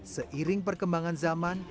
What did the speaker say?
seiring perkembangan zaman